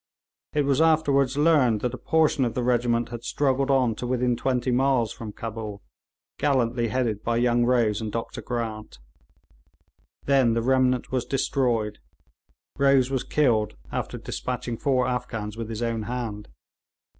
It was afterwards learned that a portion of the regiment had struggled on to within twenty miles from Cabul, gallantly headed by young Rose and Dr Grant. Then the remnant was destroyed. Rose was killed, after despatching four Afghans with his own hand.